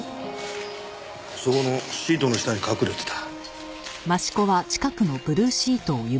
そこのシートの下に隠れてた。